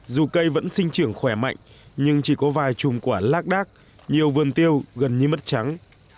dù cây vẫn sinh trưởng khỏe mạnh nhưng chỉ có vài chùm quả lác đác nhiều vườn tiêu gần như mất trắng